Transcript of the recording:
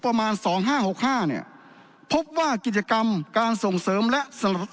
ประมาณสองห้าหกห้าเนี่ยพบว่ากิจกรรมการส่งเสริมและสนับสนุน